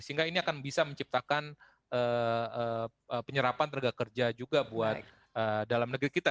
sehingga ini akan bisa menciptakan penyerapan tenaga kerja juga buat dalam negeri kita